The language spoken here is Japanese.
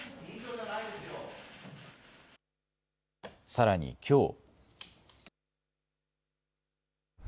さらにきょう。